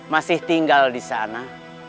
masih tinggal disana